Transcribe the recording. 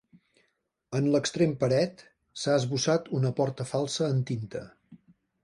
En l'extrem paret s'ha esbossat una porta falsa en tinta.